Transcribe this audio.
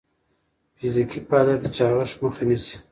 فزیکي فعالیت د چاغښت مخه نیسي.